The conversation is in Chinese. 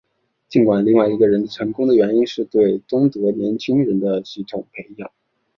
尽管另外一个成功的原因是对东德年轻人的系统培养。